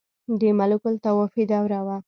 • د ملوکالطوایفي دوره وه.